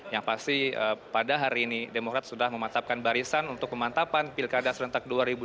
yang pasti pada hari ini demokrat sudah mematapkan barisan untuk pemantapan pilkada serentak dua ribu dua puluh